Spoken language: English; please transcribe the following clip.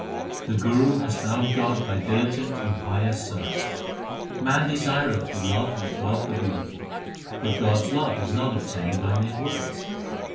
The Guru has found God by diligent and pious search : Man desireth the love of God the Beautiful, But God s love is not obtained by mere words.